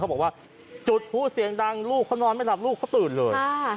บอกว่าจุดผู้เสียงดังลูกเขานอนไม่หลับลูกเขาตื่นเลย